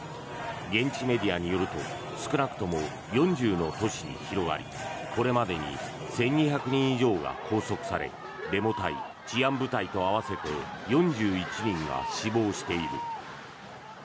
現地メディアによると少なくとも４０の都市に広がりこれまでに１２００人以上が拘束されデモ隊、治安部隊と合わせて４１人が死亡している。